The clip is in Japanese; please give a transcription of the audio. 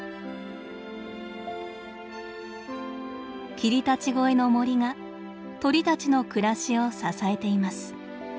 霧立越の森が鳥たちの暮らしを支えています。